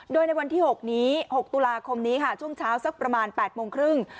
โดยในวันที่๖นี้๖ตุลาคมนี้ค่ะช่วงเช้าสักประมาณ๘โมงครึ่ง